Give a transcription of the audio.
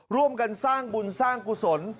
ร่วมกันสร้างบุญสร้างกุศล